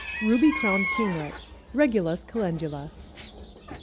RUBY CROWNED KINGLET. (_Regulus calendula.